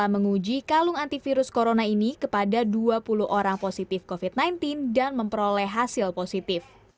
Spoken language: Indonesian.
menguji kalung antivirus corona ini kepada dua puluh orang positif covid sembilan belas dan memperoleh hasil positif